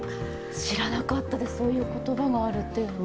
知らなかったです、そういう言葉があるというのは。